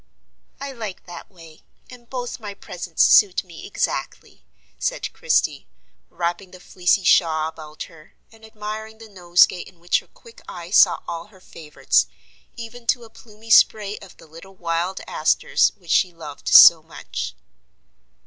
"I like that way, and both my presents suit me exactly," said Christie, wrapping the fleecy shawl about her, and admiring the nosegay in which her quick eye saw all her favorites, even to a plumy spray of the little wild asters which she loved so much.